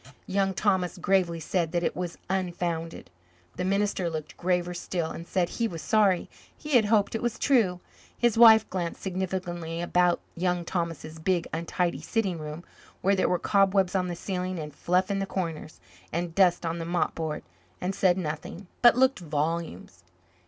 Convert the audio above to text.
Young Thomas gravely said that it was unfounded. The minister looked graver still and said he was sorry he had hoped it was true. His wife glanced significantly about Young Thomas's big, untidy sitting room, where there were cobwebs on the ceiling and fluff in the corners and dust on the mop board, and said nothing, but looked volumes.